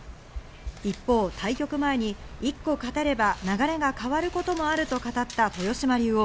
一方、対局前に１個勝てれば流れが変わることもあると語った豊島竜王。